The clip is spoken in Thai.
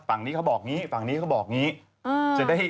ฝั่งนี้เขาบอกนี้ฝั่งนี้เขาบอกนี้